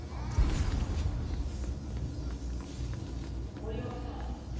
森若さん